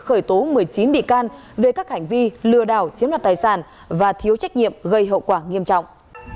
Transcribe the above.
khởi tố một mươi chín bị can về các hành vi lừa đảo chiếm đoạt tài sản và thiếu trách nhiệm gây hậu quả nghiêm trọng